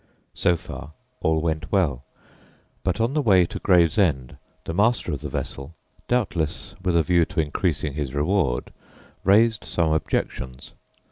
So far all went well, but on the way to Gravesend the master of the vessel, doubtless with a view to increasing his reward, raised some objections.